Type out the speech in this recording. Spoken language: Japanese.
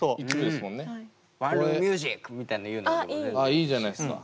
いいじゃないっすか。